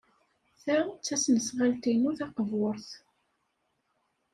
Ta d tasnasɣalt-inu taqburt.